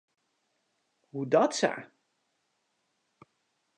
Hoedatsa?